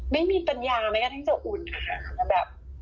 ไม่มีปัญญาไหมก็ต้องจะอุ่นค่ะแต่แบบ